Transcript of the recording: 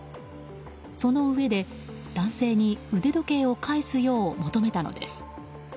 そのうえで男性に腕時計を返すよう求めたのです。